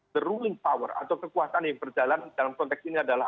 the ruling power atau kekuasaan yang berjalan dalam konteks ini adalah